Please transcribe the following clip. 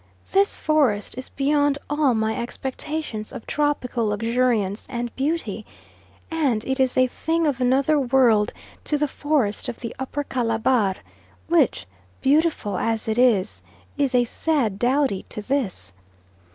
This forest is beyond all my expectations of tropical luxuriance and beauty, and it is a thing of another world to the forest of the Upper Calabar, which, beautiful as it is, is a sad dowdy to this.